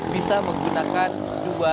bisa menggunakan akses menuju ke kawasan puncak